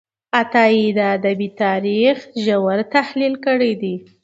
عطايي د ادبي تاریخ ژور تحلیل کړی دی.